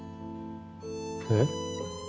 えっ？